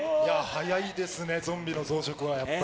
早いですね、ゾンビの増殖は。